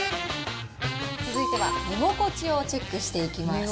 続いては寝心地をチェックしていきます。